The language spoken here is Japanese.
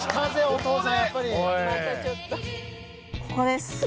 ここです。